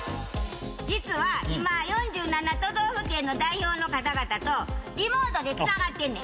実は今４７都道府県の代表の方々とリモートで繋がってんねん。